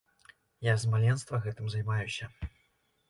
Я з маленства гэтым займаюся.